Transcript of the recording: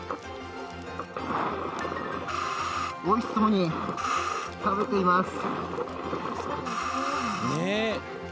おいしそうに食べています。